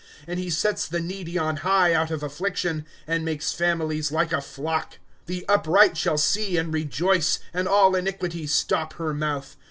^^ And he sets the needy on high out of afQiction, And makes families like a flock. ^^ The upright shall see, and rejoice, And all iniquity stop her mouth.